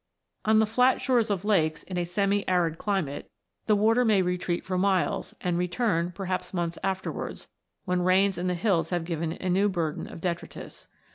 On the flat shores of lakes in a semi arid climate, the water may 70 ROCKS AND THEIR ORIGINS [CH. retreat for miles, and return, perhaps months after wards, when rains in the hills have given it a new burden of detritus.